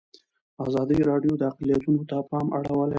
ازادي راډیو د اقلیتونه ته پام اړولی.